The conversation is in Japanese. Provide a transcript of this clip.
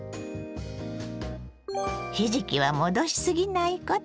ひじきは戻しすぎないこと。